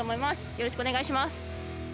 よろしくお願いします。